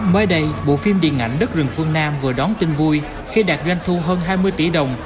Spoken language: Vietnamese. mới đây bộ phim điện ảnh đất rừng phương nam vừa đón tin vui khi đạt doanh thu hơn hai mươi tỷ đồng